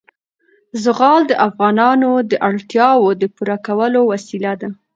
زغال د افغانانو د اړتیاوو د پوره کولو وسیله ده.